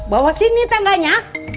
bawa sini tendanya